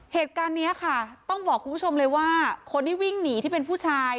เหตุการณ์นี้ค่ะต้องบอกคุณผู้ชมเลยว่าคนที่วิ่งหนีที่เป็นผู้ชาย